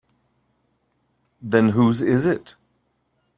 Then whose is it?